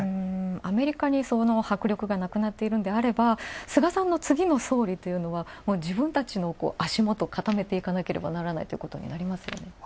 アメリカにその迫力がなくなっているなら菅さんの次の総理は自分たちの足元を固めていかなければならないということになりますよね。